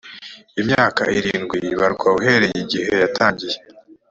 imyaka irindwi ibarwa uhereye igihe yatangiye